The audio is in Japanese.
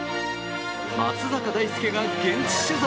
松坂大輔が現地取材。